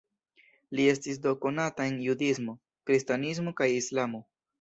Li estas do konata en judismo, kristanismo kaj islamo.